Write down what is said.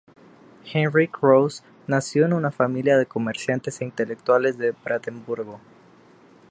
Heinrich Rose nació en una familia de comerciantes e intelectuales de Brandenburgo.